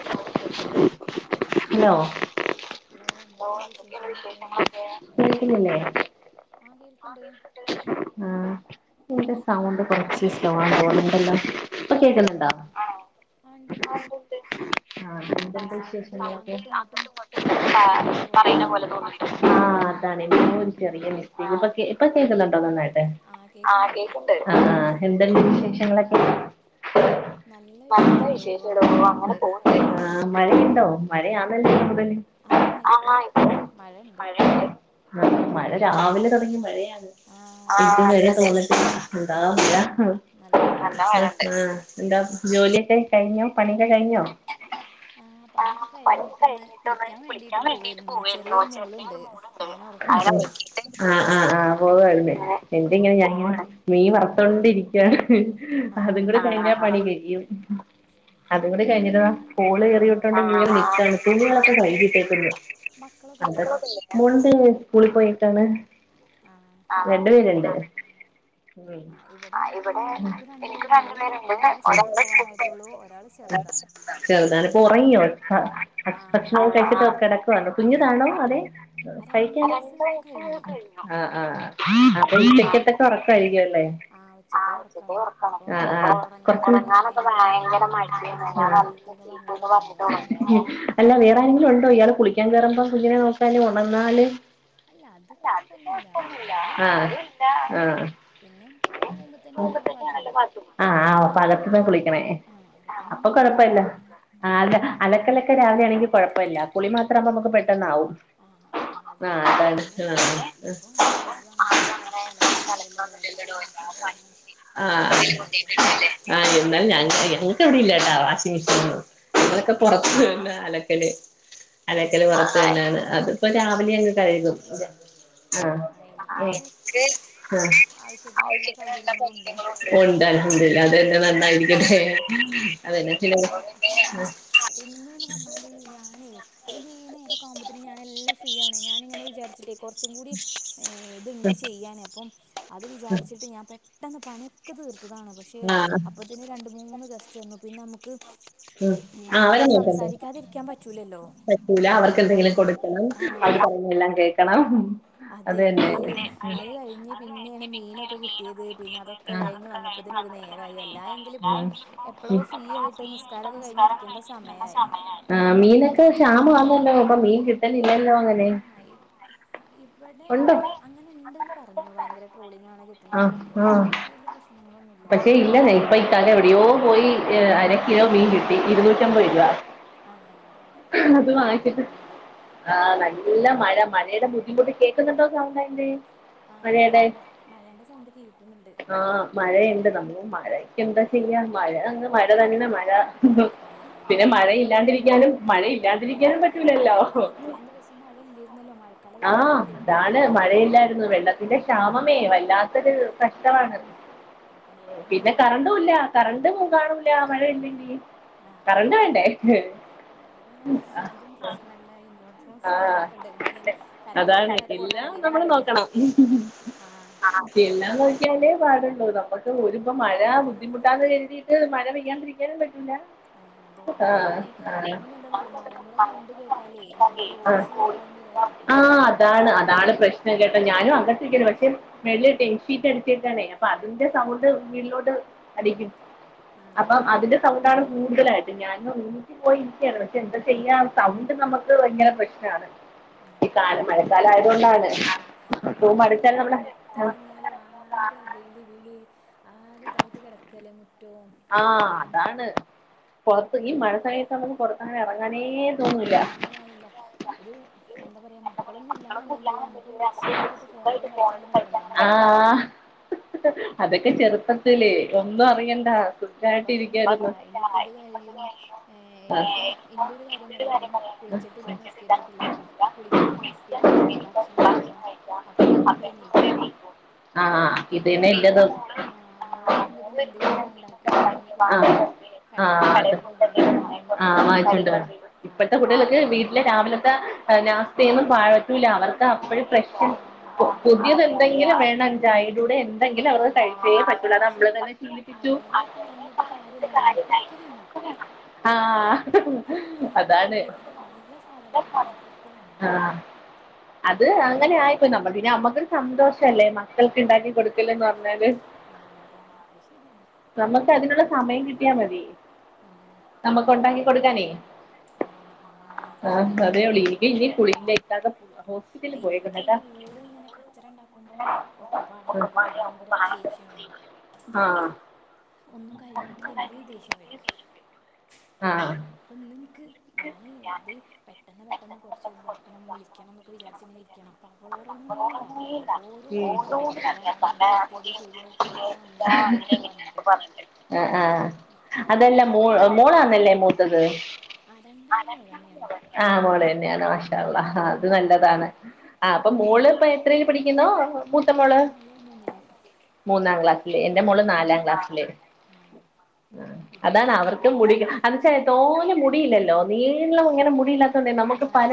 [unintelligible] Hello? Hello എന്തൊക്കെയുണ്ട് വിശേഷങ്ങളൊക്കെ. കേൾക്കുന്നില്ലെ. ആഹ് കേൾക്ക്ണ്ട്. ആഹ് നിന്റെ സൗണ്ട് കുറച്ച് സ്ലോ ആണെന്ന് തോന്നുന്നുണ്ടല്ലോ. ഇപ്പ കേക്കുന്നുണ്ടാേ? ആണോ ആ ഉണ്ട് ആഹ്, ആഹ് ഉണ്ട്. ആഹ് ബാ- എന്തുണ്ട് സൗണ്ട് വിശേഷങ്ങളൊക്കെ. അങ്ങോട്ടും നമുക്കീ ഇങ്ങോട്ടും പ അങ്ങട്ടും പറയണ ഇങ്ങട്ടും പോലെ തോന്നുന്നുണ്ട് പറയണപോലെ തോന്നി ആഹ് അതാണെ എന്തോ ഒരു ചെറിയ മിസ്റ്റേക്ക് ഇ ഇപ്പ കേക്കുന്നുണ്ടോ നന്നായിട്ട്. ആ ആഹ് കേൾക്കണ്ട് കേക്ക്ണ്ട് ആഹ് എന്തണ്ട് വിശേഷങ്ങളൊക്കെ ന്നല്ല വിശേഷടോ അങ്ങനെ പോവ്ണ്ട് ആഹ് മഴയുണ്ടോ മഴയാന്നല്ലേ ഇനി മുതല് ആ ഇപ്പം ആങായ് മഴയുണ്ട് ന്നല്ല മഴ രാവിലെ തൊടങ്ങിയ മഴയാണ് ആ അതെ ഇതു അതെ വരേ തോന്നിട്ടില്ല എന്താ മഴ നല്ല മഴയുണ്ട് ന്നല്ല മഴണ്ട് എന്താ ജോലിഒക്കെ കഴിഞോ പണി കഴ്ഞോ? ആ ആഹ് പണിയൊക്കെ പണിഒകെ കഴിഞ്ഞിട്ടൊന്ന് വേണ്ടിയിട്ട് കുളിക്കാൻ വേണ്ടിട്ട് പോവായിരുന്നു പോവേര്ന്നു ചെറിയൊരു ചെറീ ഒര് മോളുണ്ട് മോള്ണ്ട് അയിനെ ഉറക്കിയിട്ട് ഔടണ്ട് ആഹ് ഇങ്ങനെ പോവായ്ര്ന്നെ എന്തേങ്ങനെ പോവാണ് ഞെരങ്ങിന്ന് മീ വർത്തൊണ്ടിരിക്കാ ആ അതും കൂടി കഴിഞ്ഞാ പണി കയ്യും അതും കൂടി കഴിഞ്ഞിട്ട് വാ കോള് ആ ആ ആ കേറിയിട്ടോണ്ട്ങ്ങനെ ന്ന്ക്കാണ് തുണികളൊക്കെ കൈകിട്ടേക്ക്ന്നു മക്കളൊക്കെ ല്ല്യേ? മോൾണ്ട് സ്കൂളിൽ പോയേക്കാണ് ആഹ് രണ്ടു പേര്ണ്ട് ആഹ് ഇവടെ എനിക്കും എനിക്ക് രണ്ടു പേരുണ്ട് പേര്ണ്ട് ഒരാള് സ്കൂൾ ന്ന്ഒരെണ്ണംസ്കുൾക്ക് പോവാനായിട്ടുള്ളൂ ഒരാള് ചോറ്കൊണ്ടോയ്ട്ടൊള്ളൂ ചെറുതാണ് ചെറുതാണ് പ്പോ ഒറങ്ങിയോ ഹ ആഹ് ഭക്ഷണവും ആഹ് കഴിച്ചിട്ട് കെടക്കുവാണ് കുഞ്ഞുതണോ അതെ ആഹ് രണ്ട് കഴിക്കാന് വയസ്സ് കഴിഞ്ഞു [inaudible] അപ്പൊ ആഹ് ഇച്ചക്കത്തക്ക ഒറക്കയ്കി എല്ലേ ഉച്ചത്തെ ആഹ് ഉറക്കാണ് ഉച്ചക്ക്ഒർക്കണം അപ്പോ ഉറങ്ങാനൊക്കെ ഒർങ്ങാനൊക്കെ ഭയങ്കര മ മടിയാണ് ഞാൻ മടിആണ് നല്ല ഞാന് ചീത്തയൊക്കെ പറഞ്ഞിട്ട് ന്നല്ല ചിത്തൊക്കെ പർഞീട്ടാ ഉറങ്ങിയതാണ് ഒർങ്ങും അല്ല വേറെ ആരെങ്കിലുണ്ടോ ഇയാള് കുളിക്കാൻ കേറുമ്പം കുഞ്ഞിനെ നോക്കാന് ഒണന്നാല്. അല്ല അല്ലാ അത് കൊഴപ്പൊന്നുല്ല കൊഴപ്പൊന്നൂല്ലാ ആരുല്ല ആഹ്, ആഹ്. പിന്നെ പിന്നെ റൂമിൽ തന്നെയാണല്ലോ ബാത്റൂം അപ്പതന്നേണല്ലോ കൊഴ്പ്പല്ല്യ ആഹ് ആഹ് പലപ്പളും കുളിക്കണേ ആഹ് അകത്തുന്ന് അപ്പ തന്നെയാണ് കുളിക്കുക കൊഴപ്പല്ല ആഹ് അതേ അലക്കലൊക്കെ രാവിലേണെങ്കി കൊഴപ്പല്ല കുളിമാത്രാഉബോ അമുക്ക്പെട്ടന്നാഉം ആ അ ആഹ് അതെ പിന്നെ ഇപ്പം ആരും അങ്ങനെ പൊർത്ത് അലക്ക്ണൊന്നും ഇല്ലല്ലെടോ എല്ലാരും വാഷിങ് മിഷീനും ആഹ് അയ്ല് കൊണ്ടേയ്ട്ട് ഇടല്ലേ ആഹ് ആഹ് ഇന്നലെ ഞാനും ചെയ്യാ ഞങ്ങക്ക് വിടെ ഇല്ലാട്ടാ വാഷിംഗ് മിഷീനൊന്നും ഞങ്ങളൊക്കെ ആ പൊറത്ത്ന്ന് അലക് ക്കല് ആ അലക്കല് പൊറത്ത്കഴിഞാന്ന് അത്പ്പോ രാവിലെ അങ്ങ് കഴുകും ആ ആഹ് എനിക്ക് എൻക്ക് ആവശ്യത്തിന് ഔ എല്ലാ ചിത്രം സൗകര്യങ്ങളും ഉണ്ട് കണ്ടാ [inaudible] മോൾണ്ട് അൽഹംദുലില്ല അതെന്നെ നന്നായിരിക്കട്ടെ അതന്നെ ചില [inaudible] ആഹ് ഇന്ന് ന്ന് പർഞ്ഞാല് ഞാന് അല്ലെങ്കി ഈ ന്നേരൊക്കെ ആവുമ്പോത്ത്ന് ഞാനെ എല്ലഫ് ഫ്രീ ആവ്ണെ ഞാന്ങ്ങനെ വിജാര്ച്ട്ടേ കൊർച്ചും കൂടിം ഏ ഇത്ണ്ട് ചെയ്യാന് അപ്പം അത് വിജാര്ച്ചിട്ട് ഞാൻ പെട്ടെന്ന് പണിഒക് ക്ക തീർത്തതാണ് പക്ഷേ ആഹ് അപ്പോത്തിന് രണ്ട് മൂന്ന് ഗസ്റ്റ് വന്നു പിന്ന അമുക്ക് ഏഹ് ആഹ് അവരെ അവരോട് നോക്കണ്ട സംസാരിക്കാതിരിക്കാൻ പറ്റൂലല്ലോ ആഹ് അത് പറയുന്നതെല്ലാം കേക്കണം അതേ അത് തന്നെ അയ്ല് അത് കഴിഞ്ഞ് പിന്നെണ് മീനൊക്കെ കിട്ടിയത് പിന്നെ അതൊക്കെ ആഹ് കഴിഞ്ഞ് വന്നപ്പോത്ത്ന് ഒരു ന്നേരായി അല്ലാ എങ്കില് ഇപ്പോ ഉം എപ്പളോ ഉം ഫ്രീ ആയിട്ട് നിസ്കാരൊക്കെ കഴിഞ്ഞി ഇരിക്കേണ്ട സമയായി ആഹ് മീനൊക്കെ ക്ഷാമാന്നല്ലോ ഇപ്പം മീൻ കിട്ടലില്ലല്ലോ അങ്ങൻ ആഹ് ഇവടെ ഉണ്ട് അങ്ങനെ ഇണ്ട്ന്ന് പറഞ്ഞു ഭയങ്കര ട്രോളിങ്ങാണ് കിട്ട്ണ്ല്ലാന്നൊക്കെ ക്ഷേ ഇവട അത്ര വല്ല്യ പ്രശ്നങ്ങളൊന്നും പക്ഷേ ഇല്ലന്നേ ഇപ്പൊ ഇക്കാക്ക എവിടിയോ പോയി അര കിലോ മീൻ കിട്ടി ഇരുന്നൂറ്റമ്പത് രൂപ ആഹ് അതെ അതെ ഞാനും അങ്ങൻ തന്നെണ് വാങ്ങീനിയത് ആ നല്ല മഴ മഴയുടെ ബുദ്ധിമുട്ട് കേക്കുന്നുണ്ടോ സൗണ്ട് എന്റെ? ആ മഴന്റെ മഴേന്റെ സൗണ്ട് കേക്ക്ന്ന് ഇണ്ട്. മഴേ ഇണ്ട് നമ്മള് മഴക്കെന്ത്? പിന്നെ മഴ അങ്ങ് മഴ തന്നെ മഴ ആഹ് ഞാൻ പിന്നെ മഴ എന്തെന്നറിയോ ഇല്ലാണ്ടിരിക്കാനും മഴ പറ്റൂല ഇല്ലാതിരിക്കാനും ഞാ പറ്റൂലല്ലോ അല്ല ഇത്രയും ദിവസം മഴ ഇല്ലേരുന്നല്ലോ മഴക്കാലായിട്ട് മഴ ആഹ് ഇല്ലേരുന്നല്ലോ. താണ് മഴയില്ലായ്രുന്നു വെള്ളത്തിന്റെ ക്ഷാമമേ വല്ലാത്തൊരു കഷ്ടമാണ്. ആഹ് അപ്പൊ ഞാനും പിന്നെ, തന്നെ കറണ്ടു ഇല്ല. കറണ്ട് മു കാണൂല മഴ ഇല്ലെങ്കില് ആഹ് കറണ്ട് വേണ്ടേ? ഇവിടെ പിന്നെ അതും പ്രശ്നല്ല ഇൻവേർട്ടറും ആഹ്, സാധനങ്ങളൊക്കെ ഉണ്ട് അതുകൊണ്ട് ഞാൻ കറണ്ട് പോണ അതാണ് കാര്യം ഞാൻ എല്ലാം അറിയലേ നമ്മള് ഇല്ല നോക്കണം. ആഹ് ആ പിന്നെ, നോക്കിയാലെ പാട്. ഇപ്പോ നമ്മക്ക് ഓര് ഇപ്പ മഴ ബുദ്ധിമുട്ടാന്ന് കെര്തിയിട്ട് മഴ പെയ്യാണ്ടിരിക്കാനും പറ്റൂല. ആഹ്, അതെ, അതെ ആ ഞാന് ആ ഞാൻ പിന്നെ എന്താന്നറിയോ മഴന്റെ സൗണ്ട് കേട്ടാലേ നമ്മള വോയിസ് ഇതാവും വിചാരിച്ച് ആഹ്, അതാണ്, അതാണ് പ്രശ് [unintelligible] ഞാനും അകത്ത്ക്ക്നി പക്ഷെ വലിയ [unintelligible] ഷീറ്റ് അടിച്ചേക്കുവാണേ. അപ്പ അതിന്റെ സൗണ്ട് വീട്ടിലോട്ട് അടിക്കും. ആഹ് അപ്പം അതിന്റെ സൗണ്ടാണ് കൂടുതലായിട്ട് ഞാനു [unintelligible] പോയിരിക്കയാണ് പക്ഷെ എന്താ ചെയ്യാ സൗണ്ട് നമക്ക് ഭയങ്കര പ്രശ്നാണ്. ഈ ആഹ് കാലം അതെ മഴക്കാലയതോണ്ടാണ്. ആഹ് ആഹ് പിന്നെ എന്തന്നറിയോ പൊറത്ത് എറങ്ങിയാലും ആകെ ബിളി, ബിളി. ആകെ ഇതായിട്ട് കെടക്ക് അല്ലേ മുറ്റവും ആ പറമ്പും അതാണ് പുറത്ത് ഈ ഒക്കെ. മഴ സമയത്ത് നമുക്ക് പൊറത്തങ്ങനെ എറങ്ങാനെ കെഴിഞ്ഞിലായില്ല ഒരു എന്താ പറയ് മ ക്കളൊന്നു ഇല്ലാന്ന് ഇണ്ടെങ്കില് നമക്ക് സുഖായിട്ട് ഫോണിലും കളിച്ച് അങ്ങനെ കെടന്നാ മതി. ആഹ് ഹ്, ഹ്, അതൊക്കെ ചെറുപ്പത്തില് ഒന്നും അറിയണ്ട. ഇപ്പ സുഖായിട്ട് അതൊന്നു ഇല്ല. ഇരിക്കായിരുന്നു ഇനിയിപ്പ ഇത് കഴിയും. ഏഹ്, ഇനി ആഹ് ഇപ്പം എന്റെ ഒരു കാര്യം പറയാണ്. കുളിച്ചിട്ടില്ല നിസ്കരിച്ചിട്ടില്ല കുളിക്ക്യ നിസ്കരി ക്ക് ഭക്ഷണം കഴിക്ക് അപ്പഴേക്കും ഇവള് എണീക്കും. പിന്നെ ഇതന്നെ മോള് ഇല്ലത് ആഹ്, മോള് വരുമ്പോത്തിന് എന്തെങ്കിലു ഒക്കെ ഇണ്ടാ ക്കി, വാങ്ങിക്കൊണ്ടരെ കടേ പോയിട്ട് എന്തേലും വാങ്ങിക്കൊണ്ടിരണം കടികളെന്തേലും ആഹ്. കുട്ടിൾക്ക് വീട്ടിലെ രാവിലത്ത നാസ്ത്തേന്ന് പഴ പറ്റൂല ഏ അവർക്ക് ഇല്ല അപ്പഴും ഫ്രഷ്, ആ പു അതെ അതെ പുതിയത് ആ എന്തെങ്കിലും വേണം. ചായേലൂടെ എന്തെങ്കിലും അവർക്ക് ആ കഴിച്ചേ വേണം പറ്റുള്ളു. പക്ഷേ അതമ്മള് തന്നെ ശീലിപ്പിച്ചു. അങ്ങനെ പറഞ്ഞിട്ട് കാര്യ [unintelligible] ഒക്കെ വേണം. ഇൻക്കൊക്കെ അതാണ് നല്ല, നല്ല സാധനങ്ങള് ഇനിക്കൊക്കെ വേണം. ആഹ് അത് അങ്ങനെ ആയിപ്പോയി നമ്മൾ പിന്നെ അമ്മക്കൊരു സന്തോഷം അല്ലേ മ ക്കൾക്ക് ഇണ്ടാക്കി കൊടുക്കല്ലേന്ന് പറഞ്ഞാല്. അയ് ശെരിയാണ്. നമ്മക്ക് അതിനുള്ള സമയം കിട്ടിയാ മതി. ആ നമുക്ക് ഉണ്ടാക്കി കൊടുക്കാനെ, ആ ആണ് ആണ് ആ പക്ഷേ ഇപ്പ അതേള്ളൂ ഇന്റെ ഇനി കുളി ഇന്റെ ഇക്കാക്ക ഹോസ്പിറ്റലിൽ അയ് പോയേക്കുന്നു ഇനിക്ക് കേട്ടാ മോള് ഇങ്ങനെ കച്ചറ ഇണ്ടാക്കുമ്പം ഒക്കപ്പാടയാവുമ്പോ ഭയങ്കര ദേഷ്യം വെരും. [unintelligible] ആഹ് ഒന്നും കഴിഞ്ഞിട്ടില്ലെങ്കില് ദേഷ്യം വെരും. ആഹ് ഇപ്പന്ന് ഇൻക്ക് ഞാന് ദ് പെട്ടെന്ന് പെട്ടെന്ന് കൊറച്ചൊരിതാക്കണം വിളിക്കണം ന്നൊക്കെ വിചാരിച്ച് ഇങ്ങനെ ഇരിക്കണം. അപ്പ അവള് ഒറങ്ങ്ണേ ഇല്ല. ഓരോന്ന് ഉം. പറയാ തല മുടി കെട്ടിയത് ശരിയായി ട്ട്ല്ലാ അങ്ങനെ ഇങ്ങനേന്നൊക്ക പർഞ്ഞ്ട്ട്. ആഹ് ആഹ് അതല്ല മോ മോളാന്നല്ലേ മൂത്തത്? ആ ആഹ് മോൾ രണ്ടാളും തന്നെയാണ് മോളെന്നെ. ആഹ് മോള് തന്നെയാണ് ആ മാഷാഅല്ലാഹ് അത് നല്ലതാണ്. അപ്പം രണ്ടും മോൾ മോള് ഇപ്പ എത്രെൽ പഠിക്കുന്നോ മൂത്ത മോള്? തന്നെ മൂന്നില് മൂന്നാം ക്ലാസ് ല്. എന്റെ മോള് ആ നാലാം ക്ലാസ്സില്. ആ ആഹ് ഇത് അതാണ് മൂന്നില് അവർക്കും മുടി കെ അത് ച്ചാലേ തോനെ മുടിയില്ലല്ലോ നീളം ഇങ്ങനെ മുടിയില്ലാ തോണ്ടേ ആ നമുക്ക് പല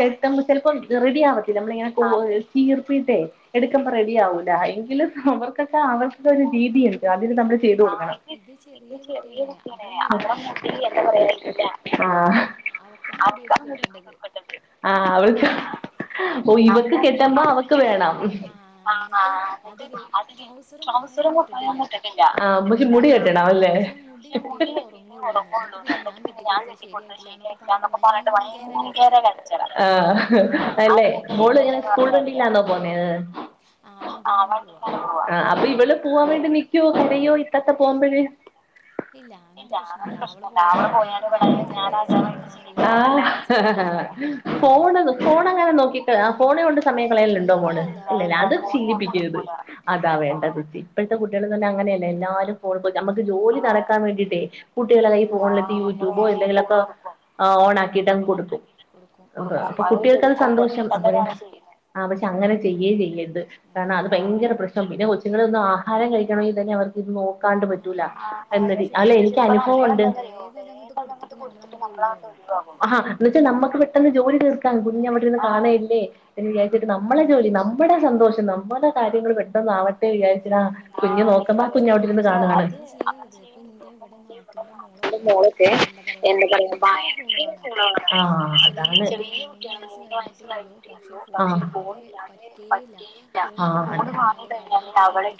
കെട്ടുമ്പം ചെലപ്പം റെഡി ആവത്തില്ല. നമ്മളിങ്ങനെ അതെ പ്പ് ചീർപ്പീട്ടേ എടുക്കുമ്പ റെഡിയാവൂല എങ്കിലും അവർക്കൊക്കെ അവൾകൊക്കൊരു രീതിയു ണ്ട്. അതിന് ആ ന്നമ്മൾ ചെയ്ത് ഇത് കൊടുക്കണം. ഇത് ചെറിയ കുട്ടിയാണ് കുട്ട്യാണ് അവളെ എന്താ മുടി പറയുക ഇല്ല എന്താപറയാ ഇല്ലാ. ആഹ് അവക്കാണ് മുടി കെട്ടി കൊടുക്കണ്ടത്. ആഹ് അവൾക്കാ അപ്പോ കെട്ടമ്പോ അവക്ക് വേണം. എന്നിട്ട് ആഹ് അത് ന്നട്ട് കേ അതിന് ട്രൗസറും കുപ്പായൊന്നും ഇട്ടിട്ടില്ല കുപ്പായൊന്നു ഇട്ണ് ല്ല. ആഹ് പഷേ മുടി കെട്ട് കെടാവല്ലെ. പക്ഷെ മുടി കെട്ടീട്ടെ ഒറങ്ങൊള്ളൂന്ന്. അപ്പോക്കും പിന്നെ ഞാൻ കെട്ടിക്കൊട്ത്തത് ശര്യാ യില്ലാന്നൊക്കെ പർഞ്ഞിട്ട് ഭയങ്കര കച്ചറ. ആഹ് അങ്ങട്ട് അല്ലെ ഇങ്ങട്ട് എന്ന് മോള് പറഞ്ഞ് ഇങ്ങനെ കരയാ സ്കൂൾല് വണ്ടില്ലാന്നോ പൊന്നെത്? ആഹ് വണ്ടീലാണ് പോവാ. ആഹ് അപ്പൊ ഇവള് പോവാൻ വേണ്ടി ന്നിക്കൊ കരയോ ഇത്താത്ത പോകുമ്പഴ്? ഇല്ല അങ്ങനത്തെ അങ്ങനെ പ്രശ്നല്ല. പോയാല് അവള് ഇവിടെ പോയാണ്ട് ഇവടെ ഞാൻ രാജാവായിട്ട് രാജാവായി ജീവി ജീവിക്കാന്നുള്ള ആഹ് വിചാരാണ് ഫോണ് ഫോണങ്ങനെ നോക്കീട്ട് ആഹ് ഫോണേ കൊണ്ട് സമയം ഏയ് കളയല്ണ്ടോ ഇല്ല മോള്? ഇല്ല ഇല്ലല്ല ഫോണ് അത് ഞാൻ കൊടുക്കൂല ചീലിപ്പിക്കരുത്. അതാ ആഹ് വേണ്ടത് ജി ഇപ്പഴ്ത്തെ കുട്ടികള്ന്ന്ർഞ്ഞാൽ അങ്ങനെയല്ല. എല്ലാരും ഫോൺ പോയി നമക്ക് ആഹ് ജോലി നടക്കാൻ വേണ്ടിട്ടേയ്. കുട്ടികളെ കയ്യിൽ ആഹ് നമ്മള് ഫോണിലെത്തി വേം യൂട്യൂബോ ഫോണ് എന്തെങ്കിലൊക്ക കൊടുക്കും ആഹ് ഓണാക്കിയിട്ടങ്ങ് കൊടുക്കും. കൊടുക്കും അത് അപ്പൊ ശരിക്കും കുട്ടികൾക്കത് സന്തോഷം. പൊട്ടത്തരാണ് ചെയ്യണേ [unintelligible] ആഹ് പക്ഷെ അങ്ങനെ ചെയ്യേം ചെയ്യര്ത്. കാരണം ആഹ് അത് ഭയങ്കര പ്രശ്നം. പിന്നെ കൊച്ചുങ്ങളൊന്നു ആഹാരം കഴിക്കണമെങ്കി തന്നെ അവർക്ക് ഇത് നോക്കാണ്ട് പ റ്റൂല ആഹ് അതെ എന്നതി. പക്ഷെ അല്ല ഇപ്പൊ എനിക്ക് നമ്മളെന്താന്നറിയോ അനുഭവണ്ട്. [unintelligible] വേഗം അതങ്ങട്ട് വേഗതങ്ങ് കൊടുത്തിട്ട് നമ്മളങ്ങട്ട് ഒഴിവാകും നമ്മളാണ്ടൊഴിവാ ക്കും. ആഹാ എന്ന് വെച്ചാൽ നമ്മക്ക് പെട്ടെന്ന് ജോലി തീർക്കാം കുഞ്ഞ് ആഹ് അവ്ടെര്ന്ന് കാണഅല്ലേ. വിചാരിച്ചിട്ട് ന്നമ്മളെ ജോലി നമ്മടെ സന്തോഷം നമ്മടെ കാര്യങ്ങൾ പെട്ടെന്ന് ആവ ആഹ് അതെ അതെ പഷെ ഇരുന്ന് അത് കാണുവാണ് അങ്ങനെ ചെയ്യര്ത് ഇപ്പൊ ഇന്റെ ഇവടെ നാ ത്തൂൻ്റെന്റെ മോളൊക്കെ എന്താ പറയാ ഭയങ്കര ഫോണ് കാണും. ആഹ് ചെറിയ കുട്ടിയാണ് മൂന്ന് വയ സ് കഴിഞ്ഞിട്ടേ ഒള്ളൂ. പക്ഷെ ഫോണില്ലാതെ പറ്റേയില്ല. അതാണ് ഫോണ് ആഹ് വാങ്ങിക്കഴിഞ്ഞാല് അവളെ ഇട്ട്ട്ട് ഇടി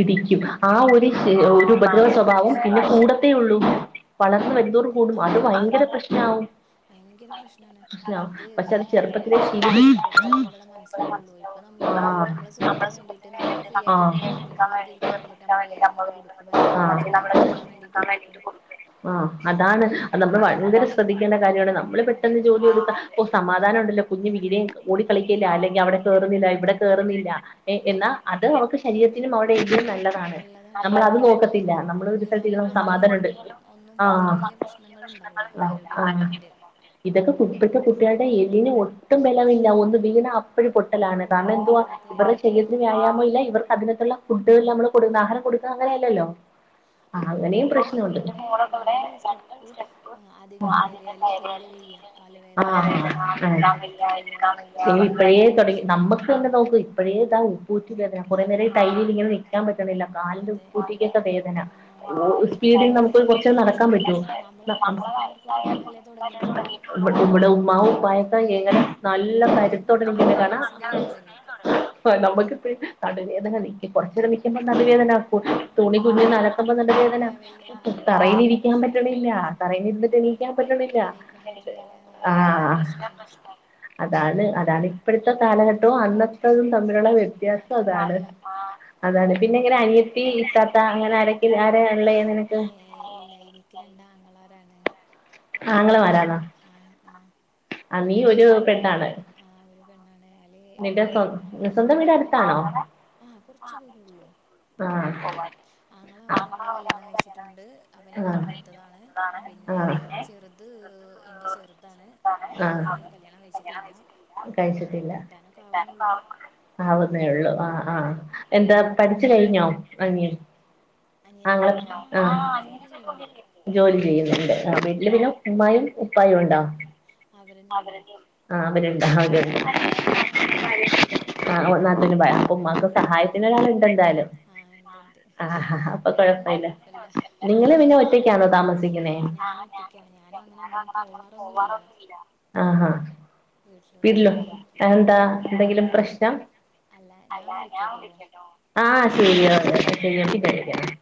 ഇടിക്കും. ആഹ ഒര് ഭയങ്കര ഉപദ്രവസ്വഭാവം വാശിയാണ് പിന്നെ കൂടത്തേ ഒള്ളൂ വളർന്ന് വരുന്തോറും കൂടും അത് അതാണ് ഭയങ്കര പ്രശ്നാവും. ഭയങ്കര പ്രശ്നാണ് പ്രശ്നാവും അത് പക്ഷെ നമുക്ക് ചെറുപ്പത്തിലെ മനസ്സിലാവൂല. ശീലിപ്പി കൊർ ച്ചയ്യുമ്പളാ മനസിലാവൊള്ളൂ. ഇപ്പ നമ്മള് ആഹ് നമ്മളെ സുഖത്തിന് വേണ്ടീട്ട് നമക്ക് ഫ്രീ ആയിട്ട ഇര്ക്കാൻ വേണ്ടിട്ട് വെർതെ ഇരിക്കാൻ വേണ്ടിട്ട് നമ്മള് വേഗങ്ങട്ട് കൊടു ക്കും. അല്ലെങ്കി നമ്മളെ ജോലി തീർക്കാൻ വേണ്ടിട്ട് കൊട്ക്കും. ആ അതാണ് അത് ന്നമ്മള് ഭയങ്കര ശ്രദ്ധിക്കേണ്ട കാര്യാണ് ന്നമ്മള് ആ പെട്ടെന്ന് ജോലി അതെ തീർക്കാ ഒഹ് സമാധാനോംണ്ടല്ലോ കുഞ്ഞ് വിക് ലേങ്ക് ആ കളിക്കില്ല അല്ലെങ്കി അവ്ടെ ക്കേറുന്നില്ല ഇവ്ടെ കേറുന്നില്ല എ എന്ന അതെ അത് അവക്ക് ശെ ശരീരത്തിനും അവരുടെ എല്ലിനും നല്ലതാണ് നമ്മള് അത് കൂട്ടത്തില്ല നമ്മളത് ഒര് വീണാലും സ്ഥലത്തിര്ന്നമക്ക് പൊട്ടിയാലും സമാധാനണ്ട്. ഒന്നും അത്ര ആഹ് വലിയ പ്രശ്നങ്ങൾ ഉണ്ടാവില്ല ആഹ് ആഹ് ആരോഗ്യപരമായിട്ട് ഇതൊക്കെ കുപ്പത്തെ കുട്ടിള്ടെ എല്ലിന് ഒട്ടും ബലമില്ല ഒന്ന് വീണ അപ് അപ്പഴ് ഓ പൊട്ടലാണ് കാരണം എന്തുവാ അതെ ഇവരേ ആ ശേരീരത്തിന് വ്യാഴാമമില്ല ഇവർക്ക് അതിനൊത്തുള്ള. ഫുഡ് ന്നമ്മള് കൊട് ആഹാരം കൊടുക്ക അങ്ങനെയല്ലല്ലോ. ആ ഇപ്പോൾ എൻ്റെ അങ്ങനിംപ്രശ്നോണ്ട് മോളൊക്കെ ഇവിടെ ന്റെമോളക്കവ്ടെ രണ്ട് രണ്ടും ഉം സ്റ്റെപ്പ് സ്റ്റെപ്പ് അധികം ആദ്യ കയറിയാൽ തീരെ കയറിയാല് പിന്നെ വയ്യ കാലുവേദന ആ നിൽക്കാൻ വയ്യ ഇരിക്കാൻ വയ്യ പറഞ്ഞിട്ട് ആ ഇത് ഇപ്പഴേ ഭയങ്കര തൊടങ്ങി പ്രശ്നമാണ് ന്നമ്മക്ക് ട്ടൊന്ന് ന്നോക്ക് ഇപ്പഴേ ഇതാ ഉപ്പുറ്റി വേധന ആ കൊറേന്നേരായി ടൈല് ല്ങ്ങനെ ന്ക് ക്കാൻ പറ്റ്ണില്ല കാലിന്റെ അതെ ഉപ്പുറ്റിക്കൊക്കെ വേധന ആ ഓ ഭയങ്കര സ്പീഡിൽ ബുദ്ധിമുട്ട് ന്നമുക്ക് കൊർച്ച് നേരം പക്ഷേ നടക്കാൻ പറ്റോ? നമ്മളെ വയസ്സായവർക്കൊക്കെ വസ്സയോൽക്കൊക്കെ ഇപ്പോഴല്ലേ തുടങ്ങിയിട്ടുള്ളൂ ഇപ്പ്ളല്ലേ തൊട്ങ്ങീറ്റൊള്ളൂ. ഇവടെ ഉമ്മ ഉപ്പായൊക്കെ എങ്ങനെ നല്ല നമുക്ക് കരുത്തോട് നമ്മൾ ഇങ്ങനെ നല്ല കാര്ണ വയസ്സിലേ തുടങ്ങി നമ്മക്ക് ഇപ്പഴ് ന്നടുവേധന ന്ക്ക് കൊർചെരം നിക് നടക്കുമ്പോ നടുവേധന കൊ ആ ആ തുണി കുനിഞ്ഞ് നനക്കുമ്പോ നടുവേധന പിരിയാൻ വയ്യ ഭയങ്കര തറയിലിരിക്കാൻ പ്രശ്നമാണ് പറ്റ്ണില്ല. തറയിലിരുന്നിട്ട് എണീക്കാൻ പറ്റ്ണില്ല എണീക്കാൻ പറ്റണില്ല ആ എല്ലാം പ്രശ്നമാണ് അതാണ് അതാണ് ഇപ്പഴത്തെ കാലഘട്ടവും അന്നത്തതും തമ്മിലുള്ള വിത് വിത്യാസം മാറ്റം ആ അതാണ് അതാണ് പിന്നെ ഇങ്ങനെ അനിയത്തി ഇത്താത്ത അങ്ങനെ ആരക്ക ആര ഉള്ളേ നിനക്ക് ഏ ഇല്ല എനിക്ക് രണ്ടാങ്ങളാരാണ് ആങ്ങളമാരാണോ? ആഹ് ആഹ് ആ നീ ഒരു പെണ്ണാണ് ആ ഒരു പെണ്ണാണ് അല് നിന്റെ ഓ സ്വ സ്വന്തം വീട് ആങ്ങള അടുത്താണോ ആ കൊർച്ച് ദൂരം ഉള്ളൂ ആഹ് ആങ്ങള ഒരാള് ആഹ് കല്യാണം കഴിച്ചിട്ടുണ്ട് അവന് ന്റെ മൂത്തതാണ് പിന്നെ ആഹ് ചെറ്ത് ഇന്റെ ചെറുതാണ് അവന് ആഹ് കല്യാണം കഴിച്ചിട്ടില്ല കഴിച്ചിട്ടില്ല കെട്ടാനും ആവുന്നേ ഉള്ളു ആ ആ എന്താ പഠിച് കഴിഞ്ഞോ അനിയൻ അനിയനോ ആങ്ങള ആ അനിയനൊക്കെ ജോലി ചെയ്യുന്നുണ്ട് ജോലി ചെയ്യുന്നുണ്ട് ആ ഇല്ല പിന്നെ ഉമ്മയും ഉപ്പായും ഉണ്ടോ അവരെന്നെ ഉള്ളൂ ആ അവര്ണ്ടാ അവര്ണ്ട് കറി ഒക്കെ ണ്ട് ആ ഓ നാത്തൂന് ഭയം ഉമ്മാക്ക് സഹായത്തിന് ഒരാള്ണ്ട് എന്തായാലും ആ ഉണ്ട് ഉണ്ട് ആ അപ്പൊ കുഴപ്പമില്ല നിങ്ങള് പിന്നെ ഒറ്റക്കാണോ താമസി ആ സിക്കുന്നെ ഞാനും ഒറ്റയ്ക്കാണ് ഞാനും അങ്ങനെ അങ്ങനെ പോവാറൊന്നുമില്ല ആഹാ വീട്ടിലൊന്നും വീട്ട്ലോ അത് ആ എന്താ എന്തെങ്കിലും പ്രശ്നം അല്ല ഞാൻ വിളിക്കാട്ടോ ആ ശരി ഓ ആ ശരി ആ [unintelligible]